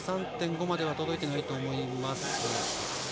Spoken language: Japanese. ９３．５までは届いていると思います。